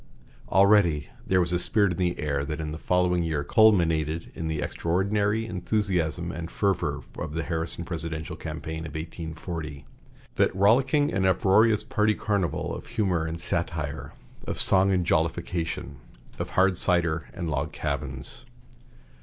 Already there was a spirit in the air that in the following year culminated in the extraordinary enthusiasm and fervor of the Harrison presidential campaign of 1840, that rollicking and uproarious party carnival of humor and satire, of song and jollification, of hard cider and log cabins.